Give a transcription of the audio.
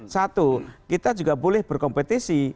satu kita juga boleh berkompetisi